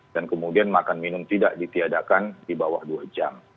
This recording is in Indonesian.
dan kemudian makan minum tidak ditiadakan di bawah dua jam